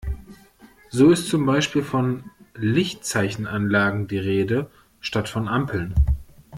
So ist zum Beispiel von Lichtzeichenanlagen die Rede, statt von Ampeln.